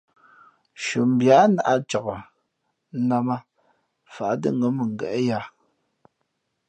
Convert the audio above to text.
Nshʉαmbhi á nāʼ cak, nnām ā, fǎʼ tά ngα̌ mʉngéʼ yǎ.